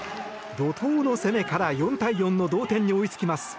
怒とうの攻めから４対４の同点に追いつきます。